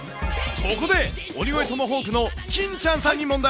ここで鬼越トマホークの金ちゃんさんに問題。